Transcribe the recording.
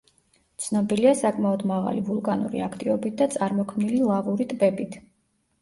ცნობილია საკმაოდ მაღალი ვულკანური აქტივობით და წარმოქმნილი ლავური ტბებით.